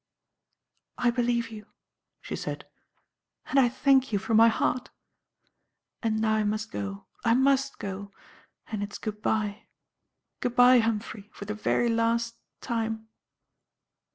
"I believe you," she said, "and I thank you from my heart. And now I must go I must go; and it's good bye good bye, Humphrey, for the very last time."